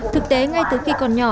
thực tế ngay từ khi còn nhỏ